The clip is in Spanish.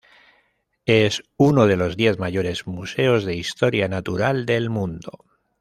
Es uno de los diez mayores museos de historia natural del mundo.